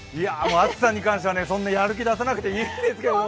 暑さに関しては、そんなやる気出さなくていいんですけどね。